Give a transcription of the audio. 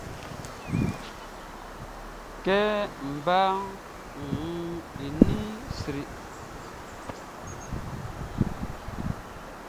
Kɛ baʼn wun i ninʼn, ɔ sri.